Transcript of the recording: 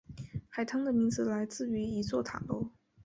海滩的名字来自于一座塔楼。